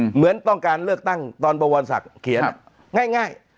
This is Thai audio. เหมือนต้องการเลือกตั้งตอนบวรศักดิ์เขียนง่าย